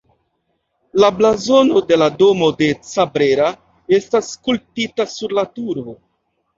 La blazono de la Domo de Cabrera estas skulptita sur la turo.